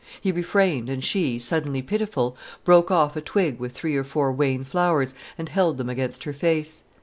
He refrained, and she, suddenly pitiful, broke off a twig with three or four wan flowers and held them against her face.